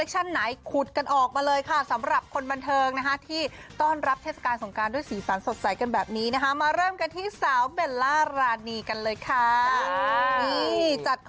ให้แฟนแล้วก็คนไทยค่ะ